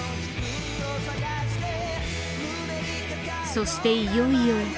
そしていよいよ。